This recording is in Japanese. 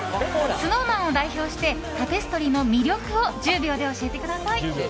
ＳｎｏｗＭａｎを代表して「タペストリー」の魅力を１０秒で教えてください！